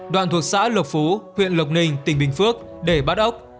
đoạn thuộc xã lộc phú huyện lộc ninh tỉnh bình phước để bắt ốc